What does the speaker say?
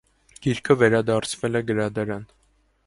Գիրքը վերադարձվել է գրադարան։